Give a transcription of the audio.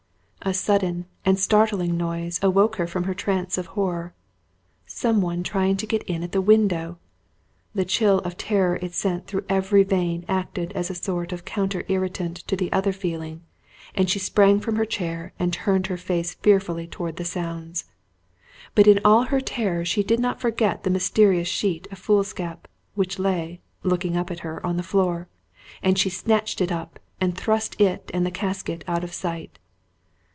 A sudden and startling noise awoke her from her trance of horror some one trying to get in at the window! The chill of terror it sent through every vein acted as a sort of counter irritant to the other feeling, and she sprang from her chair and turned her face fearfully toward the sounds. But in all her terror she did not forget the mysterious sheet of foolscap, which lay, looking up at her, on the floor; and she snatched it up, and thrust it and the casket out of sight.